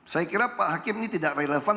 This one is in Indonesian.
saya kira pak hakim ini tidak relevan